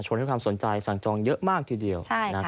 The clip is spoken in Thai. ให้ความสนใจสั่งจองเยอะมากทีเดียว